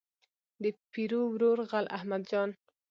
د پیرو ورور غل احمد جان.